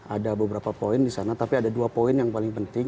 ada beberapa poin di sana tapi ada dua poin yang paling penting